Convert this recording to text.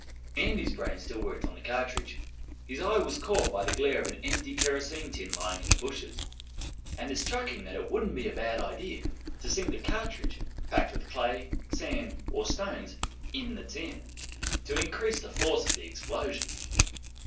Andy's brain still worked on the cartridge; his eye was caught by the glare of an empty kerosene tin lying in the bushes, and it struck him that it wouldn't be a bad idea to sink the cartridge packed with clay, sand, or stones in the tin, to increase the force of the explosion.